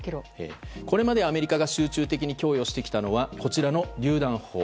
これまでアメリカが集中的に供与してきたのはこちらのりゅう弾砲。